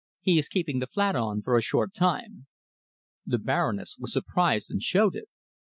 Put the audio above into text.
He is keeping the flat on for a short time." The Baroness was surprised, and showed it.